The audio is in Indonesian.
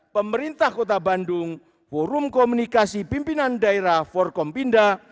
pemerintah kota bandung forum komunikasi pimpinan daerah forkompinda